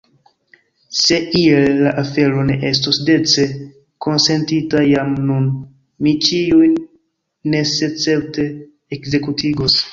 Se iel_ la afero ne estos dece konsentita jam nun, mi ĉiujn senescepte ekzekutigos.